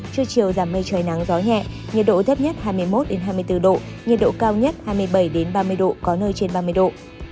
trưa chiều giảm mây trời nắng gió nhẹ nhiệt độ thấp nhất hai mươi một hai mươi bốn độ nhiệt độ cao nhất hai mươi bảy ba mươi độ có nơi trên ba mươi độ